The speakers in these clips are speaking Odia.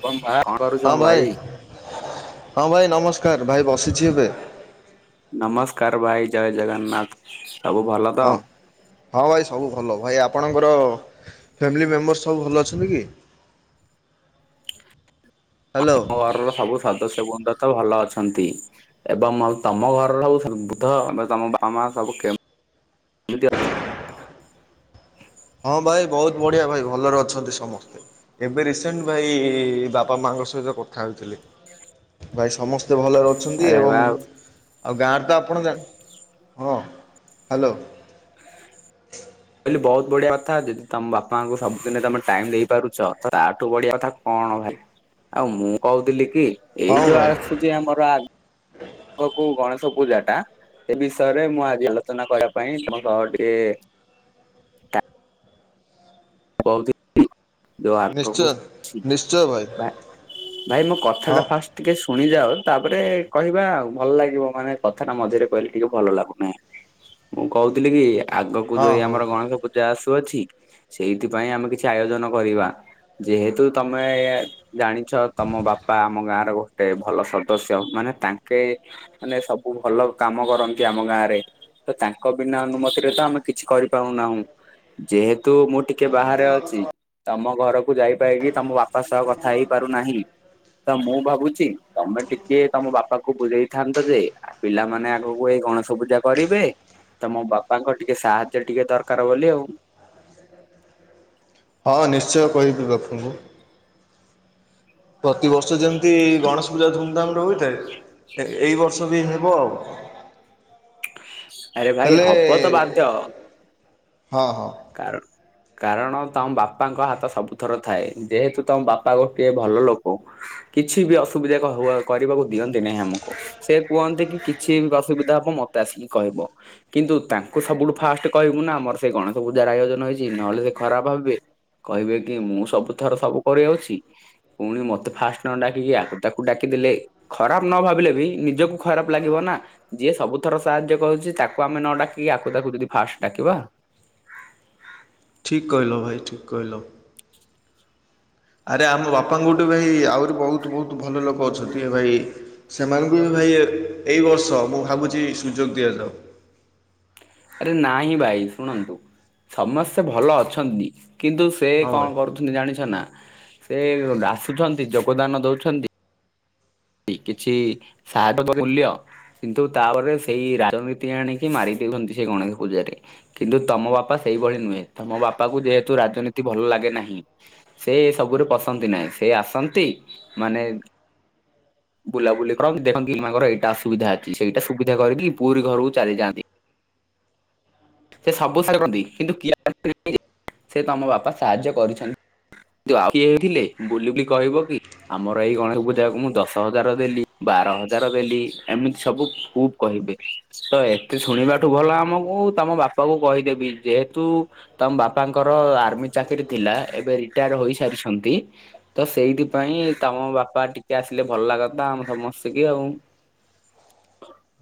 [inaudible] ଭାଇ, ହଁ ଭାଇ ନମସ୍କାର, ଭାଇ ବସିଛି ଏବେ। ନମସ୍କାର ଭାଇ, ଜୟ ଜଗନ୍ନାଥ ସବୁ ଭଲ ତ। ହଁ ହଁ ଭାଇ ସବୁ ଭଲ। ଭାଇ ଆପଣଙ୍କର ଫ୍ୟାମିଲି ମେମ୍ବର୍ ସବୁ ଭଲ ଅଛନ୍ତି କି? ହ୍ୟାଲୋ, ଆମ ଘରର ସବୁ ସଦସ୍ୟବନ୍ଦ ତ ଭଲ ଅଛନ୍ତି। ଏବଂ ଆଉ ତମ ଘର [inaudible] ତମ ବାପ ମା ସବୁ କେ ଜୁ ହଁ ଭାଇ ବହୁତ ବଢ଼ିଆ ଭାଇ ଭଲରେ ଅଛନ୍ତି ସମସ୍ତେ। ଏବେ ରିସେଣ୍ଟ ଭାଇ-ଇ-ଇ-ଇ ବାପା ମାଙ୍କ ସହିତ କଥା ହେଉଥିଲି। ଭାଇ ସମସ୍ତେ ଭଲ ରହୁ ଅଛନ୍ତି ଆରେ ଏବଂ ବା ଆଉ ଗାଁର ତ ଆପଣ ଯା ହଁ, ହ୍ୟାଲୋ କହିଲି ବହୁତ ବଢିଆ କଥା। ଯଦି ତମ ବାପାଙ୍କୁ ସବୁଦିନେ ତମେ ଟାଇମ୍ ଦେଇପାରୁଛ ତ ତାଠୁ ବଢିଆ କଥା କଣ ଭାଇ। ଆଉ ମୁଁ କହୁଥିଲି କି ହଁ ଏଇ ଯୋଉ ଭାଇ ଆସୁଛି ଆମର ଆ କ କୋଉ ଗଣେଶ ପୂଜା ଟା ଏ ବିଷୟରେ ମୁଁ ଆଜି ଆଲୋଚନା କରିବା ପାଇଁ ତମ ସହ ଟିକେ-ଏ-ଏ ବହୁତି ଯୋ ନିଶ୍ଚୟ ଆଗକୁ, ନିଶ୍ଚୟ ଭାଇ ଭା ଭାଇ ମୋ କଥା ହଁ ଟା ଫାଷ୍ଟ ଟିକେ ଶୁଣିଯାଅ ତାପରେ କହିବା ଆଉ ଭଲ ଲାଗିବ ମାନେ କଥାଟା ମଝିରେ କହିଲେ ଟିକେ ଭଲ ଲାଗୁନି। ମୁଁ କହୁଥିଲି କି ଆଗକୁ ହଁ ଯୋଉ ହଉ ଆମର ଗଣେଶ ପୂଜା ଆସୁଅଛି ସେଇଥିପାଇଁ ଆମେ କିଛି ଆୟୋଜନ କରିବା। ଯେହେତୁ ତମେ-ଏ-ଏ-ଏ ଜାଣିଛ ତମ ବାପା ଆମ ଗାଁର ଗୋଟେ ଭଲ ସଦସ୍ୟ ମାନେ ତାଙ୍କେ ମାନେ ସବୁ ଭଲ କାମ କରନ୍ତି ଆମ ଗାଁ ରେ। ତ ତାଙ୍କ ବିନା ଅନୁମତିରେ ତ ଆମେ କିଛି କରିପାରୁ ନାହୁଁ। ଯେହେତୁ ମୁଁ ଟିକେ ବାହାରେ ଅଛି। ତମ ଘରକୁ ଯାଇପାରକି ତମ ବାପା ସହ କଥା ହେଇପାରୁନାହିଁ। ତ ମୁଁ ଭାବୁଛି ତମେ ଟିକେ ତମ ବାପା କୁ ବୁଲେଇଥାନ୍ତ ଯେ ପିଲାମାନେ ଆଗକୁ ଏଇ ଗଣେଶ ପୂଜା କରିବେ ତମ ବାପାଙ୍କ ଟିକେ ସାହାଯ୍ୟ ଟିକେ ଦରକାର ବୋଲି ଆଉ। ହଁ ନିଶ୍ଚୟ କହିବି ବାପଙ୍କୁ। ପ୍ରତିିବର୍ଷ ଯେମିତି-ଇ-ଇ-ଇ ଗଣେଶ ପୂଜା ଧୁମଧାମ ରେ ହୋଇଥାଏ। ଏ ଏଇ ବର୍ଷ ବି ହେବ। ଆରେ ତା ଭାଇ ହେଲେ ହବ ତ ବାଧ୍ୟ ହଁ ହଁ। କାରଣ କାରଣ ତମ ବାପାଙ୍କ ହାତ ସବୁଥର ଥାଏ। ଯେହେତୁ ତମ ବାପା ଗୋଟିଏ ଭଲ ଲୋକ। କିଛି ବି ଅସୁବିଧାକ ହ କରିବାକୁ ଦିଅନ୍ତି ନାହିଁ ଆମକୁ। ସେ କୁହନ୍ତି କି କିଛି ବି ଅସୁବିଧା ହବ ମତେ ଆସିକି କହିବ। କିନ୍ତୁ ତାଙ୍କୁ ସବୁଠୁ ଫାଷ୍ଟ କହିବୁ ନା ଆମର ସେ କଣ। ସବୁ ଯାର ଆୟୋଜନ ହେଇଛି ନହେଲେ ସେ ଖରାପ ଭାବିବେ କହିବେ କି ମୁଁ ସବୁ ଥର ସବୁ କରି ଅଛି। ପୁଣି ମୋତେ ଫାଷ୍ଟ ନ ଡାକିକି ଆଉ ତାକୁ ଡାକିଦେଲେ। ଖରାପ ନ ଭାବିଲେ ବି ନିଜକୁ ଖରାପ ଲାଗିବ ନା। ଯିଏ ସବୁଥର ସାହାଯ୍ୟ କରୁଛି ତାକୁ ଆମେ ନ ଡାକିକି ଆକୁ ତାକୁ ଯଦି ଫାଷ୍ଟ ଡାକିବା। ଠିକ କହିିଲ ଭାଇ ଠିକ କହିିଲ। ଆରେ ଆମ ବାପାଙ୍କଠୁ ଭାଇ ଆହୁରି ବହୁତ ବହୁତ ଭଲ ଲୋକ ଅଛନ୍ତି ଏ ଭାଇ। ସେମାନଙ୍କୁ ବି ଭାଇ ଏ ଏଇ ବର୍ଷ ମୁଁ ଭାବୁଛି ସୁଯୋଗ ଦିଆଯାଉ। ଆରେ ନାଇହିଁ ଭାଇ ଶୁଣନ୍ତୁ ସମସ୍ତେ ଭଲ ଅଛନ୍ତି। କିନ୍ତୁ ସେ ହଁ କଣ ଭାଇ। କରୁଛନ୍ତି ଜାଣିଛ ନା, ସେ ଆସୁଛନ୍ତି ଯୋଗଦାନ ଦଉଛନ୍ତି କିଛି ସାହା [inaudible] ମୂଲ୍ୟ କିନ୍ତୁ ତାପରେ ସେଇ ରାଜନୀତି ଆଣିକି ମାରି ଦେଉଛନ୍ତି ସେ ଗଣେଶ ପୂଜାରେ। କିନ୍ତୁ ତମ ବାପା ସେଇଭଳି ନୁହେଁ। ତମ ବାପା କୁ ଯେହେତୁ ରାଜନୀତି ଭଲ ଲାଗେ ନାହିଁ ସେ ସବୁରେ ପସନ୍ତି ନାହିଁ। ସେ ଆସନ୍ତି ମାନେ ବୁଲାବୁଲି କରନ୍ତି ଦେଖନ୍ତି ଏମାଙ୍କର ଏଇଟାସୁବିଧା ଅଛି, ସେଇଟା ସୁବିଧା କରିକି ପୁରୀ ଘରକୁ ଚାଲିଯାଆନ୍ତି। ସେ ସବୁ ସା କରନ୍ତି କିନ୍ତୁ କି [unintelligible] ସେ ତମ ବାପା ସାହାଯ୍ୟ କରୁଛନ୍ତି ଆଉ କିଏ ହେଇଥିଲେ ବୁଲି ବୁଲି କହିବ କି ଆମର ଏଇ ଗଣେଶ ପୂଜାକୁ ମୁଁ ଦଶ ହଜାର ଦେଲି ବାର ହଜାର ଦେଲି ଏମିତି ସବୁ ଖୁବ କହିବେ ତ ଏତେ ଶୁଣିବାଠୁ ଭଲ ଆମକୁ ତମ ବାପା କୁ କହିଦେବି ଯେହେତୁ ତମ ବାପାଙ୍କର ଆର୍ମି ଚାକିରି ଥିଲା ଏବେ ରିଟାୟାର ହୋଇ ସାରିଛନ୍ତି ତ ସେଇଥିପାଇଁ ତମ ବାପା ଟିକେ ଆସିଲେ ଭଲ ଲାଗନ୍ତା ଆମ ସମସ୍ତି କି ଆଉ।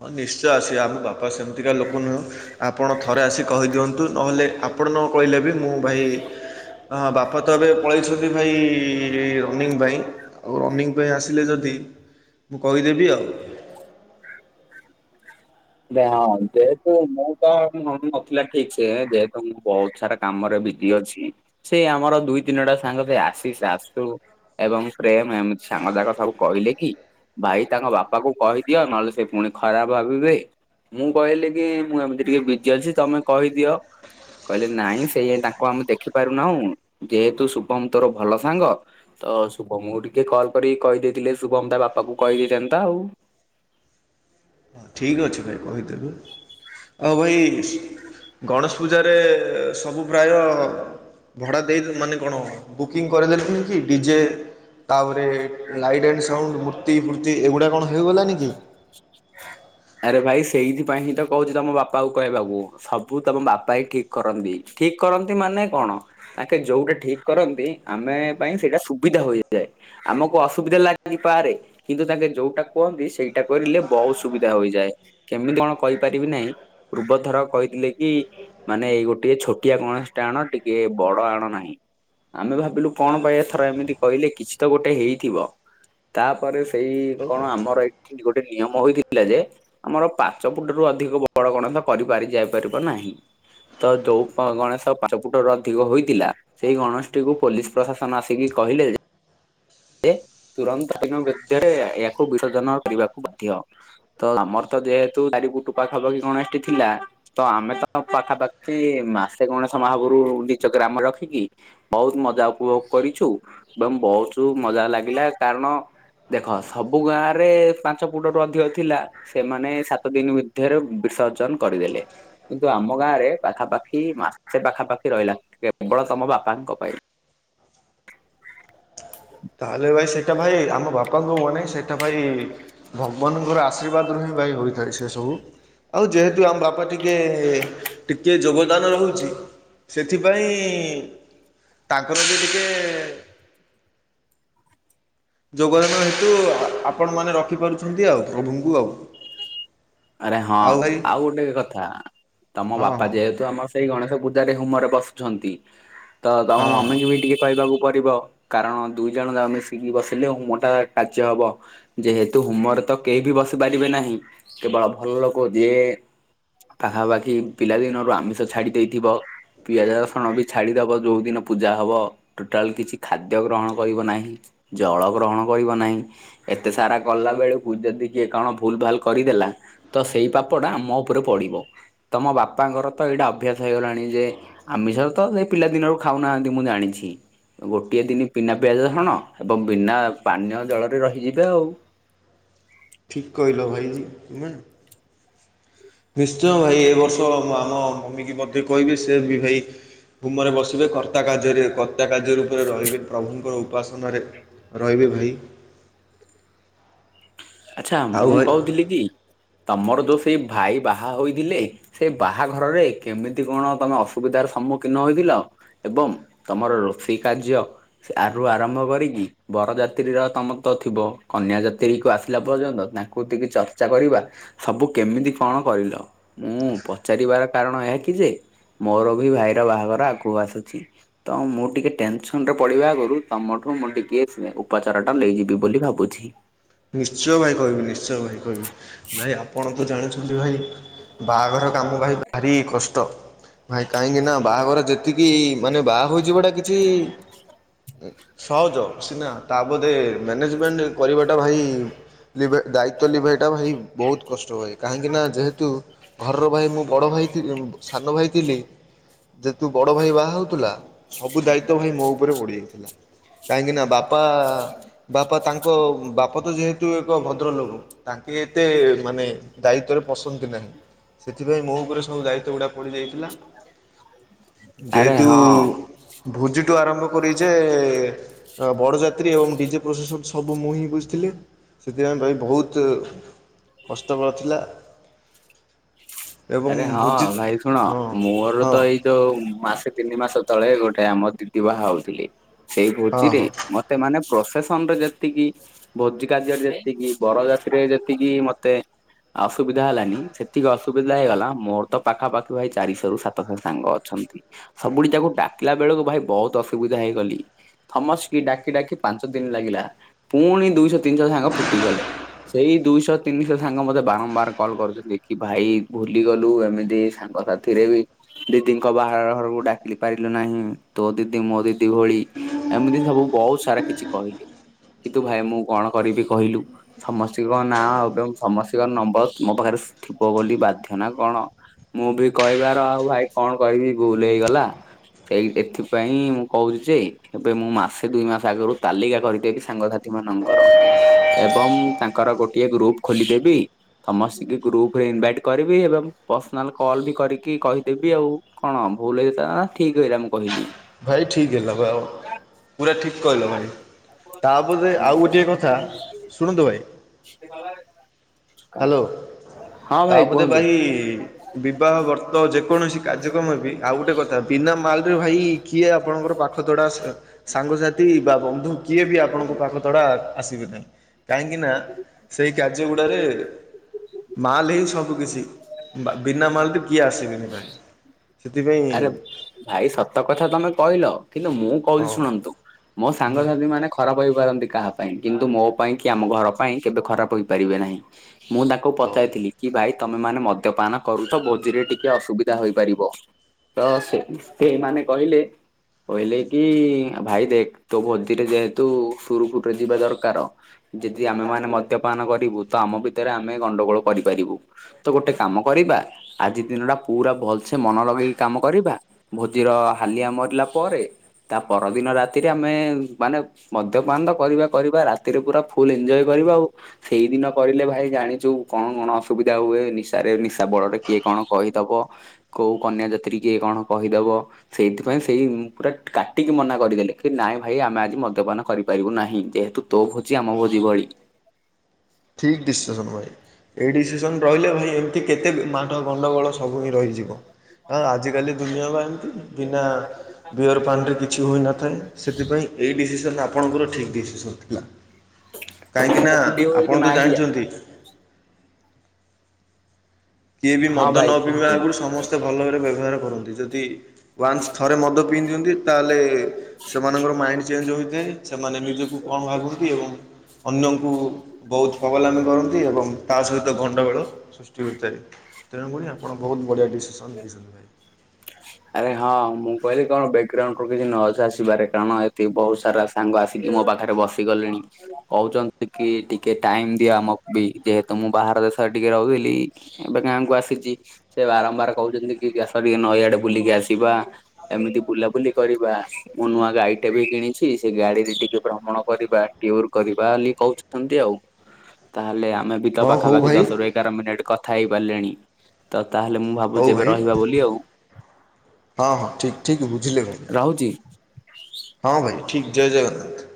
ହଁ ନିଶ୍ଚୟ ଆସିବେ ଆମ ବାପା ସେମିତିକା ଲୋକ ନୁହଁ। ଆପଣ ଥରେ ଆସି କହିଦିଅନ୍ତୁ ନହେଲେ ଆପଣ ନ କହିଲେ ବି ମୁଁ ଭାଇ ହଁ ବାପା ତ ଏବେ ପଳେଇଛନ୍ତି ଭାଇ ରନିଙ୍ଗ ପାଇଁ। ଆଉ ରନିଂ ପାଇଁ ଆସିଲେ ଯଦି ମୁଁ କହିଦେବି ଆଉ। ହଁ ଯେହେତୁ ମୁଁ ତ ମନେ ନଥିଲା ଠିକ ସେ ଯେହେତୁ ମୁଁ ବହୁତ ସାରା କାମରେ ବିିଜି ଅଛି ସେ ଆମର ଦୁଇ ତିନିଟା ସାଙ୍ଗ ସେ ଆସିସ ଆସୁ ଏବଂ ପ୍ରେମ ଏମତି ସାଙ୍ଗ ଯାକ ସବୁ କହିଲେ କି ଭାଇ ତାଙ୍କ ବାପା କୁ କହିଦିଅ ନହେଲେ ସେ ପୁଣି ଖରାପ ଭାବିବେ। ମୁଁ କହିଲି କି ମୁଁ ଏମିତି ଟିକେ ବିଜି ଅଛି ତମେ କହିଦିଅ। କହିଲେ ନାଇଁ ସେଇ ତାଙ୍କୁ ଆମେ ଦେଖିପାରୁନାହୁଁ ଯେହେତୁ ଶୁଭମ ତୋର ଭଲ ସାଙ୍ଗ ତ ଶୁଭମ କୁ ଟିକେ କଲ୍ କରି କହିଦେଇଥିଲେ ଶୁଭମ ତା ବାପା କୁ କହିଦେଇଥାନ୍ତା ଆଉ। ହଁ ଠିକ୍ ଅଛି ଭାଇ କହିଦେବୁ ଆଉ ଭାଇ ଗଣେଶ ପୂଜାରେ ସବୁ ପ୍ରାୟ ଭଡ଼ା ଦେଇ ମାନେ କଣ ବୁକିଂ କରିଦେଲେଣି କି ଡିଜେ ତାପରେ ଲାଇଟ୍ ଆଣ୍ଡ ସାଉଣ୍ଡ ମୂର୍ତ୍ତି ଫୁର୍ତ୍ତି ଏଗୁଡ଼ା କଣ ହେଇଗଲାନି କି? ଆରେ ଭାଇ ସେଇଥିପାଇଁ ହିଁ ତ କହୁଛି ତମ ବାପା ଙ୍କୁ କହିବାକୁ। ସବୁ ତମ ବାପା ହଁ ଠିକ କରନ୍ତି ଠିକ କରନ୍ତି ମାନେ କଣ ଆଖେ ଯୋଉଟା ଠିକ କରନ୍ତି ଆମେ ପାଇଁ ସେଇଟା ସୁବିଧା ହୋଇଯାଏ। ଆମକୁ ଅସୁବିଧା ଲାଗିପାରେ କିନ୍ତୁ ତାଙ୍କେ ଯୋଉଟା କୁହନ୍ତି ସେଇଟା କରିଲେ ବହୁତ ସୁବିଧା ହୋଇଯାଏ କେମିତି କଣ କହିପାରିବି ନାହିଁ ପୂର୍ବଥର କହିଥିଲେ କି ମାନେ ଏଇ ଗୋଟେ ଛୋଟିଆ ଗଣେଶ ଟେ ଆଣ ଟିକେ ବଡ ଆଣ ନାହିଁ। ଆମେ ଭାବିଲୁ କଣ ପାଇଁଏଥର ଏମିତି କହିଲେ କିଛି ତ ଗୋଟେ ହେଇଥିବ। ତାପରେ ସେଇ କଣ ଆମର ଏଇଠି ଗୋଟେ ନିୟମ ହେଇଥିଲା ଯେ ଆମର ପାଞ୍ଚ ଫୁଟ ରୁ ଅଧିକ ବଡ ଗଣେଷ କରିପାରି ଯାଇ ପାରିବ ନାହିଁ। ତ ଯୋଉ ଗଣେଶ ପାଞ୍ଚ ଫୁଟରୁ ଅଧିକ ହୋଇଥିଲା ସେଇ ଗଣେଶଟିକୁ ପୋଲିସ ପ୍ରଶାସନ ଆସିକି କହିଲେ ଯେ ତୁରନ୍ତ ଦିନ ଭିତରେ ଏହାକୁ ବିସର୍ଜନ କରିବାକୁ ବା ଧ୍ୟ ତ ଆମର ତ ଯେହେତୁ ଚାରି ପୁଟୁ ପାଖ ପାଖି ଗଣେଶଟି ଥିଲା। ତ ଆମେ ତ ପାଖାପାଖି ମାସେ ଗଣେଶ ମହାପରୁ ନିଚ ଗ୍ରାମ ରଖିକି ବହୁତ ମଜା ଉପଭୋଗ କରିଛୁ ଏବଂ ବହୁତ ମଜା ଲାଗିଲା କାରଣ ଦେଖ ସବୁ ଗାଁ ରେ ପାଞ୍ଚ ପୁଟରୁ ଅଧିକ ଥିଲା ସେମାନେ ସାତ ଦିନ ଭିତରେ ବିସର୍ଜନ କରିଦେଲେ। କିନ୍ତୁ ଆମ ଗାଁ ରେ ପାଖାପାଖି ମାସେ ପାଖାପାଖି ରହିଲା କେବଳ ତମ ବାପାଙ୍କ ପାଇଁ। ତାହେଲେ ଭାଇ ସେଇଟା ଭାଇ ଆମ ବାପାଙ୍କୁ ମନେଇ ସେଇଟା ଭାଇ ଭଗବାନଙ୍କର ଆଶୀର୍ବାଦରୁ ହିଁ ଭାଇ ହୋଇଥାଏ ସେ ସବୁ। ଆଉ ଯେହେତୁ ଆମ ବାପା ଟିକେ ଟିକେ ଯୋଗଦାନ ରହୁଛି ସେଥିପାଇଁ ତାଙ୍କର ବି ଟିକେ ଯୋଗଦାନ ହେତୁ ଆପଣମାନେ ରଖିପାରୁଛନ୍ତି ଆଉ ପ୍ରଭୁଙ୍କୁ ଆଉ। ଆରେ ହଁ ଆଉ ଗୋଟେ କଥା ତମ ହଁ ବାପା ହଁ ଯେହେତୁ ଆମ ସେଇ ଗଣେଶ ପୂଜାରେ ହୁମରେ ବସୁଛନ୍ତି ତ ତମ ହଁ ହଁ ମମିଙ୍କୁ ବି ଟିକେ କହିବାକୁ ପଡିବ। କାରଣ ଦୁଇ ଜଣ ଯାକ ମିଶିକି ବସିଲେ ହୁମ୍ ଟା କାର୍ଯ୍ୟ ହବ। ଯେହେତୁ ହୁମରେ ତ କେହି ବି ବସି ପାରିବେ ନାହିଁ କେବଳ ଭଲ ଲୋକ ଯିଏ ପାଖାପାଖି ପିଲା ଦିନରୁ ଆମିଷ ଛାଡି ଦେଇେଥିବ। ପିଆଜ ରସୁଣ ବି ଛାଡ଼ିଦେବ ଯେଉଁଦିନ ପୂଜା ହବ। ଟୋଟାଲ କିଛି ଖାଦ୍ୟ ଗ୍ରହଣ କରିବ ନାହିଁ। ଜଳ ଗ୍ରହଣ କରିବ ନାହିଁ। ଏତେ ସାରା କଲା ବେଳକୁ, ଯଦି କିଏ କଣ ଭୁଲ୍ ଭାଲ୍ କରିଦେଲା। ତ ସେଇ ପାପ ଟା ଆମ ଉପରେ ପଡିବ। ତମ ବାପାଙ୍କର ତ ଏଇଟା ଅଭ୍ୟାସ ହେଇଗଲାଣି ଯେ। ଆମିଷତ ସେ ପିଲା ଦିନରୁ ଖାଉନାହାନ୍ତି ମୁଁ ଜାଣିଛି। ଗୋଟିଏ ଦିନ ବିନା ପିଆଜ ରସୁଣ। ଏବଂ ବିନା ପାନୀୟ ଜଳରେ ରହିଯିବେ ଆଉ। ଠିକ୍ କହିଲ ଭାଇଜି ତୁମେ। ନିଶ୍ଚୟ ଭାଇ ଏ ବର୍ଷ ଆମ ମମିକୁ ମଧ୍ୟ କହିବେ ସେ ବି ଭାଇ- ଭୁମରେ ବସିବେ। କର୍ତ୍ତା କାର୍ଯ୍ୟରେ, କର୍ତ୍ତା କାର୍ଯ୍ୟ ରୂପରେ ରହିବେ, ପ୍ରଭୁଙ୍କର ଉପାସନାରେ। ରହିବେ ଭାଇ। ଆଚ୍ଛା ଆଉ ମୁଁ ଭାଇ କହୁଥିଲି କି, ତମର ଯୋଉ ସେଇ ଭାଇ ବାହା ହୋଇଥିଲେ ସେ ବାହାଘରରେ କେମିତି କଣ ତମେ ଅସୁବିଧାର ସମ୍ମୁଖୀନ ହୋଇଥିଲ? ଏବଂ ତମର ରୋଷେଇ କାର୍ଯ୍ୟ ସେ ଆରୁ ଆରମ୍ଭ କରିକି, ବରଯାତ୍ରୀର ତମ ତ ଥିବ କନ୍ୟା ଯାତ୍ରୀକୁ ଆସ ପିଲା ପର୍ଯ୍ୟନ୍ତ ତାଙ୍କୁ ଟିକେ ଚର୍ଚ୍ଚା କରିବା ସବୁ କେମିତି କଣ କରିଲ? ମୁଁ ପଚାରିବାର କାରଣ ଏହା କି ଯେ, ମୋର ବି ଭାଇର ବାହାଘର ଆଗକୁ ଆସୁଛି। ତ ମୁଁ ଟିକେ ଟେନସନ ରେ ପଡିବା ଆଗରୁ, ତମଠୁ ମୁଁ ଟିକେ ଉପଚାର ଟା ନେଇଯିବି ବୋଲି ଭାବୁଛି। ନିଶ୍ଚୟ ଭାଇ କହିବି। ନିଶ୍ଚୟ ଭାଇ କହିବି। ଭାଇ ଆପଣ ଆପଣ ଜାଣିଛନ୍ତି ଭାଇ, ବାହାଘର କାମ ଭାଇ ଭାରି କଷ୍ଟ। ଭାଇ କାହିଁକି ନା ବାହାଘର ଯେତିକି ମାନେ, ବାହା ହେଇ ଯିବାଟା କିଛି ସହଜ ସିନା ତା ବୋଧେ ମ୍ୟାନେଜମେଣ୍ଟ କରିବା ଟା, ଭାଇ ଦାୟିତ୍ୱ ଲିଭେଇଟା ଭାଇ ବହୁତ କଷ୍ଟ ଭାଇ। କାହିଁକିନା ଯେହେତୁ ଘରର ଭାଇ ମୁଁ ବଡ଼ ଭାଇ ଥିଲି। ସାନ ଭାଇ ଥିଲି। ଯେହେତୁ ବଡ ଭାଇ ବାହା ହଉଥିଲା, ସବୁ ଦାୟିତ୍ଵ ଭାଇ ମୋ ଉପରେ ପଡି ଯାଇଥିଲା। କାହିଁକି ନା ବାପା, ବାପା ତାଙ୍କ ବାପ ତ ଯେହେତୁ ଏକ ଭଦ୍ରଲୋକ। ତାଙ୍କେ ଏତେ ମାନେ ଦାୟିତ୍ୱରେ ପସନ୍ତି ନାହିଁ। ସେଥିପାଇଁ ମୋ ଉପରେ ସବୁ ଦାୟିତ୍ୱ ଗୁଡ଼ାକ ପଡ଼ିଯାଇଥିଲା। ଆରେ ଯେହେତୁ ହଁ ଭୋଜିଠୁ ଆରମ୍ଭ କରିଯେ, ବଡଯାତ୍ରୀ ଏବଂ ଡିଜେ ପ୍ରଶାସନ ସବୁ ମୁହିଁ ବୁ ଥିଲି। ସେଥିପାଇଁ ଭାଇ ବୋହୁତ୍ କଷ୍ଟକର ଥିଲା। ଏବଂ ଆରେ ହଁ ଭୋଜି ଭାଇ ଶୁଣ, ହଁ ମୋର ହଁ ତ ଏଇ ଯୋଉ ମାସେ ତିନି ମାସ ତଳେ ଗୋଟେ ଆମ ଦିଦି ବାହା ହଉଥିଲେ। ସେଇ ହଁ ଭୋଜିରେ ହଁ ଏତେ ମାନେ ପ୍ରଫେସନ ରେ ଯେତିକି ଭୋଜି କାର୍ଯ୍ୟରେ ଯେତିକି, ବରଜାତ୍ରିରେ ଯେତିକି ମତେ ଅସୁବିଧା ହେଲାନି, ସେତିକି ଅସୁ ସୁବିଧା ହେଇଗଲା। ମୋର ତ ପାଖାପାଖି ଭାଇ ଚାରିଶହ ରୁ ସାତଶହ ସାଙ୍ଗ ଅଛନ୍ତି। ସବୁଠୀ ତାକୁ ଡାକିଲା ବେଳକୁ ଭାଇ ବହୁତ ଅସୁବିଧା ହେଇଗଲି। ସମସ୍ତୀ କି ଡାକି ଡାକି ପାଞ୍ଚ ଦିନ ଲାଗିଲା। ପୁଣି ଦୁଇଶହ ତିନିଶହ ସାଙ୍ଗ ଫିଟି ଗଲେ। ସେଇ ଦୁଇଶହ ତିନିଶହ ସାଙ୍ଗ ମତେ ବାରମ୍ବାର କଲ୍ କରୁଛନ୍ତି। କି ଭାଇ ଭୁଲି ଗଲୁ ଏମିତି ସାଙ୍ଗ ସାଥିରେ ବି ଦିଦିଙ୍କ ବାହାରଘରକୁ ଡାକି ପାରିଲୁ ନାହିଁ, ତୋ ଦିଦି ମୋ ଦିଦି ଭଳି। ଏମିତି ସବୁ ବହୁତ ସାରା କିଛି କହିଲେ। କିନ୍ତୁ ଭାଇ ମୁଁ କଣ କରିବି କହିଲୁ? ସମସ୍ତତିଙ୍କ ନାଁ ଏବଂ ସମସ୍ତଙ୍କ ନମ୍ବର ମୋ ପାଖରେ ଥିବ ବୋଲି ବା ନା କଣ? ମୁଁ ବି କହିବାର ଆଉ ଭାଇ କଣ କହିବି, ବୁଲ ହେଇଗଲା। ସେଇ ଏଥିପାଇଁ ମୁଁ କହୁଛି ଯେ, ଏବେ ମୁଁ ମାସେ ଦୁଇ ମାସ ଆଗରୁ ତାଲିକା କରିଦେବି ସାଙ୍ଗସାଥି ମାନଙ୍କର। ଏବଂ ତାଙ୍କର ଗୋଟିଏ ଗ୍ରୁପ ଖୋଲିଦେବି। ସମସ୍ତ କୁ ଗ୍ରୁପ ରେ ଇନଭାଇଟ କରିବି ଏବଂ ପର୍ସନାଲ କଲ୍ ବି କରିକି କହିଦେବି ଆଉ। କଣ ଭୁଲ ହେଇଥିଲା ନା ଠିକ ହେଇଲା ମୁଁ କହିଲି? ଭାଇ ଠିକ୍ ହେଲା ବା ଆଉ, ଭାଇ ପୁରା ଠିକ୍ କହିଲ ଭାଇ। ତା ପଦରେ ଆଉ ଗୋଟିଏ କଥା, ଶୁଣନ୍ତୁ ଭାଇ। ସେ ଭ ହାଲୋ, ହଁ ତା ପରେ କୁହନ୍ତୁ ଭାଇ ବିବାହ ବ୍ରତ ଯେକୌଣସି କାର୍ଯ୍ୟକ୍ରମ ବି ଆଉ ଗୋଟେ କଥା ବିନା ମାଲରେ ଭାଇ। କିଏ ଆପଣଙ୍କର ପାଖତଡା ସାଙ୍ଗସାଥି ବା ବନ୍ଧୁ କିଏ ବି ଆପଣଙ୍କ ପାଖ ତଡା ଆସିବେ ନାହିଁ କାହିଁକି ନା ସେଇ କାର୍ଯ୍ୟ ଗୁଡ଼ାରେ ମାଲ୍ ହିଁ ସବୁ କିିଛି। ବିନା ମାଲରେ କିଏ ଆସିବେନି ଭାଇ। ଆରେ ସେଥିପାଇଁ ଭାଇ ସତକଥା ତମେ କହିଲ କିନ୍ତୁ ମୁଁ କହୁଛି ହଁ ଶୁଣନ୍ତୁ ମୋ ସାଙ୍ଗସାଥି ମାନେ ଖରାପ ହେପାରନ୍ତି କାହା ପାଇଁ କିନ୍ତୁ ମୋ ପାଇଁ କି ଆମ ଘର ପାଇଁ କେବେ ଖରାପ ହେପାରିବେ ନାହିଁ ମୁଁ ତା କୁ ହଉ। ପଚାଇଥିଲି କି ଭାଇ ତମେ ମାନେ ମଦ୍ୟପାନ କରୁଛ ଭୋଜିରେ ଟିକେ ଅସୁବିଧା ହୋଇପାରିବ। ତ ସେଇ ସେଇମାନେ କହିଲେ କହିଲେ କି ଭାଇ ଦେଖ୍ ତୋ ଭୋଜିରେ ଯେହେତୁ ସୁରୁଖୁରୁରେ ଯିବା ଦରକାର। ଯଦି ଆମେମାନେ ମଦ୍ୟପାନ କରିବୁ ତ ଆମ ଭିତରେ ଆମେ ଗଣ୍ଡଗୋଳ କରିପାରିବୁ। ତ ଗୋଟେ କାମ କରିବା ଆଜି ଦିନଟା ପୁରା ଭଲସେ ମନ ଲଗେଇ କାମ କରିବା। ଭୋଜିର ହାଲିଆ ମରିଲା ପରେ ତା ପରଦିନ ରାତିରେ ଆମେ ମାନେ ମଦ୍ୟପାନ ତ କରିବା କରିବା ରାତିରେ ପୁରା ଫୁଲ ଏଞଜୟ କରିବା ଆଉ। ସେଇଦିନ କହିଲେ ଭାଇ ଜାଣିଛୁ କଣ କଣ ଅସୁବିଧା ହୁଏ। ନିଶାରେ ନିଶା ବଳରେ କିଏ କଣ କହିଦବ। କୋଉ କନ୍ୟାଯାତ୍ରୀ କିଏ କଣ କହିଦବ। ସେଇଥିପାଇଁ ସେଇ ପୁରା କାଟିକି ମନା କରିଦେଲେ କି ନାଇଁ ଭାଇ ଆମେ ଆଜି ମଦ୍ୟପାନ କରିପାରିବୁ ନାହିଁ ଯେହେତୁ ତୋ ଭୋଜି ଆମ ଭୋଜି ଭଳି। [unintelligible] ଠିକ୍ ଡିସିସନ ଭାଇ ଏଇ ଡିସିସନ ରହିଲେ ଭାଇ ଏମିତି କେତେ ମାଡ଼ ଗଣ୍ଡଗୋଳ ସବୁ ହିଁ ରହିଯିବ। ଅଁ ଆଜିକାଲି ଦୁନିଆ ବା ଏମିତି। ବିନା ବିୟର ପାନରେ କିଛି ହୋଇନଥାଏ ସେଥିପାଇଁ ଏଇ ଡିସିସନ ଆପଣଙ୍କର ଠିକ୍ ଡିସିସନ ଥିଲା। କାଇଁକିନା ଆପଣ ତ ଜାଣିଛନ୍ତି। [unintelligible] କିଏ ବି ହଁ ମଦ ଭାଇ ନ ପିଇବା କୁହନ୍ତୁ। ଆଗରୁ ସମସ୍ତେ ଭଲ ଭାବରେ ବ୍ୟବହାର କରନ୍ତି। ଯଦି ୱାନ୍ସ ଥରେ ମଦ ପିଇ ଦିଅନ୍ତି। ତାହେଲେ ସେମାନଙ୍କର ମାଇଣ୍ଡ ଚେଞ୍ଜ ହେଇଯାଏ। ସେମାନେ ନିଜକୁ କଣ ଭାବନ୍ତି ଏବଂ ଅନ୍ୟଙ୍କୁ ବହୁତ ପଗଲାମି କରନ୍ତି ଏବଂ ତା ସହିତ ଗଣ୍ଡଗୋଳ ସୃଷ୍ଟି ହୋଇଥାଏ। ତେଣୁକରି ଆପଣ ବହୁତ ବଢ଼ିଆ ଡିସିସନ ନେଇଛନ୍ତି। ଆରେ ହଁ ମୁଁ କହିଲି କଣ ବ୍ୟାକଗ୍ରାଉଣ୍ଡ ରୁ କିଛି ନଜ ଆସିପାରେ କାରଣ ଏଠି ବହୁତ ସାରା ସାଙ୍ଗ ଆସିକି ମୋ ପାଖରେ ବସିଗଲେଣି। କହୁଛନ୍ତି କି ଟିକେ ଟାଇମ ଦିଅ ଆମକୁ ବି ଯେହେତୁ ମୁଁ ବାହାର ଦେଶରେ ଟିକେ ରହୁଥିଲି। ଏବେ ଗାଁକୁ ଆସିଛି। ସେ ବାରମ୍ବାର କହୁଛନ୍ତି କି ଆସ ଟିକେ ନଈଆଡେ ବୁଲିକି ଆସିବା। ଏମିତି ବୁଲାବୁଲି କରିବା ମୁଁ ନୂଆଗାଡିଟେ ବି କିଣିଛି ସେ ଗାଡିରେ ଟିକେ ଭ୍ରମଣ କରିବା। ଟିଉର କରିବା ବୋଲି କହୁଛନ୍ତି ଆଉ ତାହେଲେ ଆମେ ବି ତ ହଁ ହଉ ପାଖାପାଖି ଭାଇ ଦଶରୁ ଏଗାର ମିନିଟ୍ କଥା ହେଇ ପାରିଲେଣି। ତ ତାହେଲେ ମୁଁ ହଉ ଭାବୁଛି ଭାଇ ଏବେ ରହିବା ବୋଲି ଆଉ। ହଁ ହଁ ଠିକ୍ ଠିକ୍ ବୁଝିଲେ। ରହୁଛି। ଭାଇ ହଁ ଭାଇ ଠିକ୍ ଜୟ ଜଗନ୍ନାଥ।